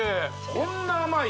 こんな甘い？